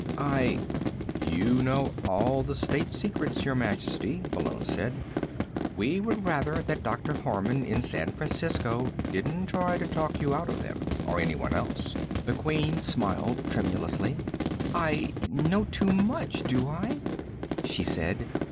"I " "You know all the State Secrets, Your Majesty," Malone said. "We would rather that Dr. Harman in San Francisco didn't try to talk you out of them. Or anyone else." The Queen smiled tremulously. "I know too much, do I?" she said.